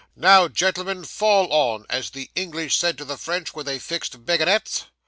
'Now, gen'l'm'n, "fall on," as the English said to the French when they fixed bagginets.